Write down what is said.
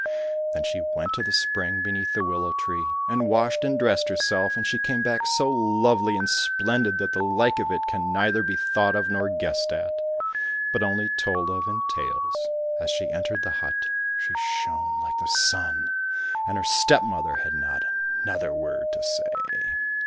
— Then she went to the spring beneath the willow tree, and washed and dressed herself, and she came back so lovely and splendid that the like of it can neither be thought of nor guessed at, but only told of in tales. As she entered the hut she shone like the sun, and her stepmother had not another word to say.